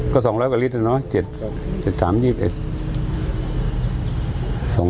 ก็๒๐๐กว่าลิตรเนอะ๗๓ยีบเอส